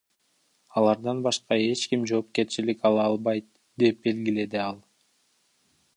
Алардан башка эч ким жоопкерчилик ала албайт, — деп белгиледи ал.